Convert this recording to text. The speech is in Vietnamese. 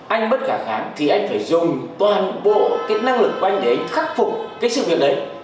anh bất cả kháng thì anh phải dùng toàn bộ cái năng lực của anh đấy khắc phục cái sự việc đấy